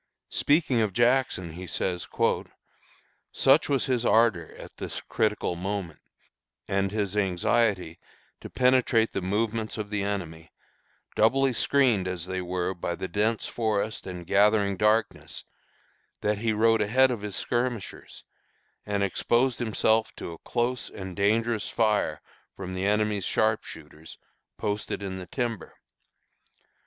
Speaking of Jackson, he says, "Such was his ardor, at this critical moment, and his anxiety to penetrate the movements of the enemy, doubly screened as they were by the dense forest and gathering darkness, that he rode ahead of his skirmishers, and exposed himself to a close and dangerous fire from the enemy's sharpshooters, posted in the timber.